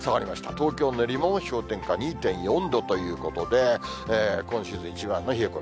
東京・練馬も氷点下２．４度ということで、今シーズン一番の冷え込み。